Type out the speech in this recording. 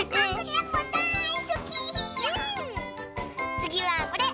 つぎはこれ。